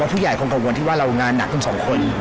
แม่ผู้ใหญ่คงกลัวว่าเรางานหนักชั้นสองคน